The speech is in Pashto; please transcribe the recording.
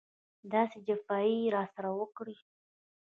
داسې جفاوې یې راسره وکړې.